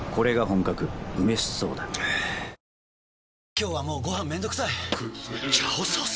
今日はもうご飯めんどくさい「炒ソース」！？